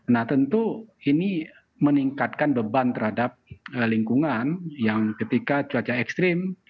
nah tentu ini meningkatkan beban terhadap lingkungan yang ketika cuaca ekstrim